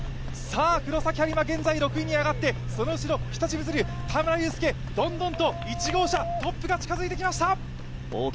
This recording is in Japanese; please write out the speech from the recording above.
黒崎播磨、現在６位に上がって、その後ろ、日立物流田村友佑、どんどんと１号車、トップが近づいてまいりました。